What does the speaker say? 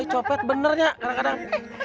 copet bener ya kadang kadang